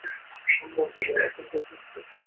মাটির আতা, পেঁপে, শস্য-অবিকল যেন সত্যিকার ফল।